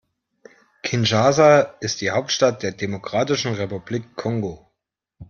Kinshasa ist die Hauptstadt der Demokratischen Republik Kongo.